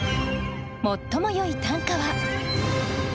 最もよい短歌は。